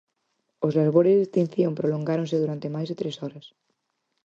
Os labores de extinción prolongáronse durante máis de tres horas.